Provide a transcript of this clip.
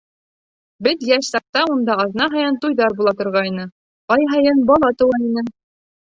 Беҙ йәш саҡта унда аҙна һайын туйҙар була торғайны, ай һайын бала тыуа ине.